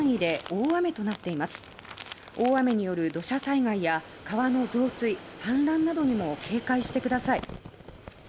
大雨による土砂災害や川の増水、氾濫などにも警戒してください。